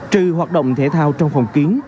trừ hoạt động thể thao trong phòng kiến